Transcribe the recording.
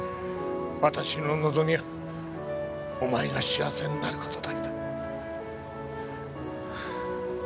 私の望みはお前が幸せになる事だけだ。